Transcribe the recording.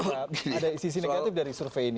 ada sisi negatif dari survei ini